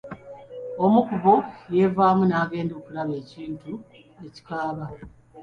Omu kubbo yeevaamu nagenda okulaba ekintu ekikaaba.